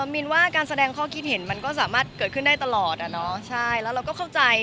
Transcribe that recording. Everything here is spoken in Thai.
มินว่าการแสดงข้อคิดเห็นมันก็สามารถเกิดขึ้นได้ตลอดอ่ะเนาะใช่แล้วเราก็เข้าใจ